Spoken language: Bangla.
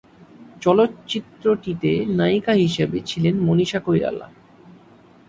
চলচ্চিত্রটিতে নায়িকা হিসেবে ছিলেন মনীষা কৈরালা।